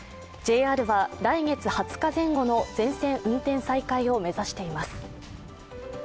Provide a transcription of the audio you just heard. ＪＲは来月２０日前後の全線再開を目指しています。